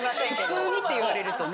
普通にって言われるとね。